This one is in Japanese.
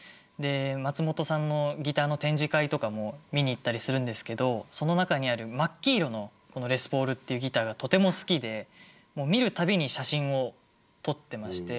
松本さんのギターの展示会とかも見に行ったりするんですけどその中にある真っ黄色のレスポールっていうギターがとても好きで見る度に写真を撮ってまして。